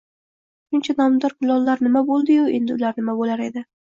Shuncha nomdor kulollar nima bo‘ldi-yu, endi ular nima bo‘lar edi